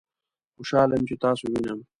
خوشحاله یم چې تاسو وینم